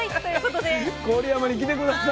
郡山に来て下さい。